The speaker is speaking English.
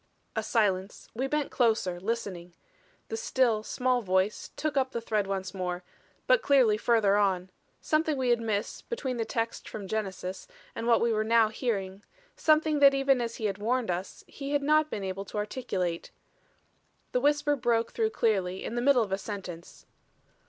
A silence; we bent closer, listening; the still, small voice took up the thread once more but clearly further on. Something we had missed between that text from Genesis and what we were now hearing; something that even as he had warned us, he had not been able to articulate. The whisper broke through clearly in the middle of a sentence.